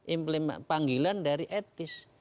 implement panggilan dari etis